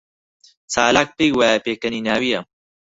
چالاک پێی وایە پێکەنیناوییە.